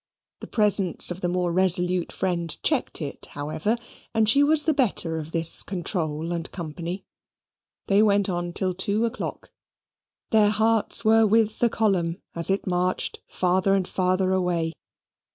The presence of the more resolute friend checked it, however; and she was the better of this control and company. They went on till two o'clock; their hearts were with the column as it marched farther and farther away.